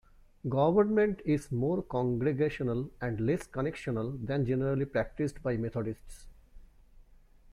Government is more congregational and less connectional than generally practiced by Methodists.